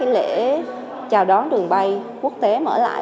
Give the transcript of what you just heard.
lễ chào đón đường bay quốc tế mở lại